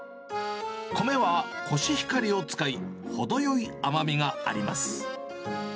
米はコシヒカリを使い、ほどよい甘みがあります。